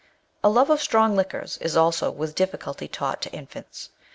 A love of strong liquors is also with difiiculty taught to infants.